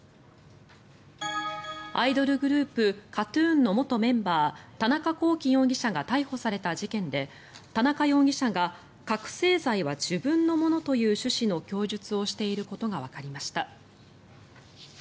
アイドルグループＫＡＴ−ＴＵＮの元メンバー田中聖容疑者が逮捕された事件で田中容疑者が覚醒剤は自分のものという趣旨の供述をしていることがわかりました。